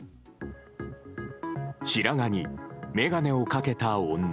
白髪に、眼鏡をかけた女。